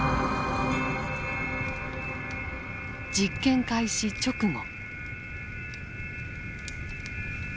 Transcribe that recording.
実験開始直後。